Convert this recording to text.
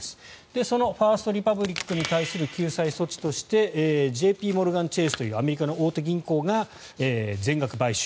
そのファースト・リパブリックに対する救済措置としてＪＰモルガン・チェースというアメリカの大手銀行が全額買収。